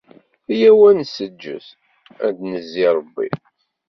Yyaw, ad nseǧǧed, ad nanezi Rebbi.